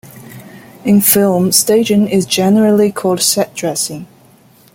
In film, staging is generally called "set dressing".